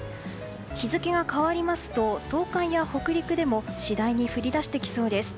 日付が変わりますと東海や北陸でも次第に降り出してきそうです。